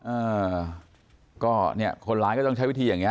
อ่าก็เนี่ยคนร้ายก็ต้องใช้วิธีอย่างเง